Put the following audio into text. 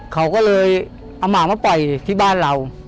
เขาก็เลยเอาหมามาปล่อยที่บ้านเรา